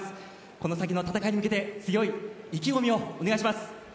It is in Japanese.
この先の戦いに向けて強い意気込みをお願いします。